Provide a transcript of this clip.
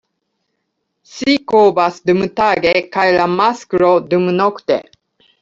Ŝi kovas dumtage kaj la masklo dumnokte.